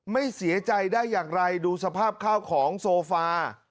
ไม่เสียใจได้อย่างไรดูสภาพข้าวของโซฟา